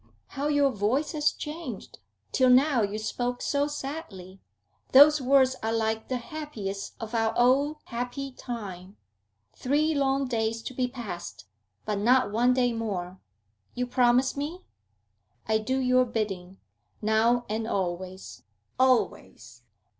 'How your voice has changed! Till now you spoke so sadly. Those words are like the happiest of our old happy time. Three long days to be passed, but not one day more. You promise me?' 'I do your bidding, now and always, always!'